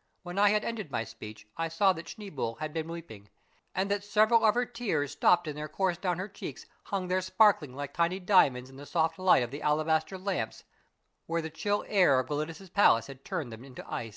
" When I had ended my speech I saw that Schneeboule had been weeping, and that several of her tears stopped in their course down her cheeks hung there sparkling like tiny diamonds in the soft light of the alabaster lamps, where the chill air of Gelidus' palace had turned them into ice.